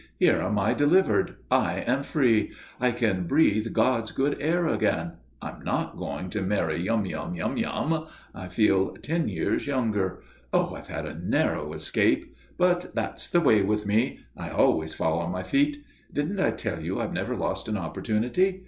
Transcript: "Here am I delivered. I am free. I can breathe God's good air again. I'm not going to marry Yum Yum, Yum Yum. I feel ten years younger. Oh, I've had a narrow escape. But that's the way with me. I always fall on my feet. Didn't I tell you I've never lost an opportunity?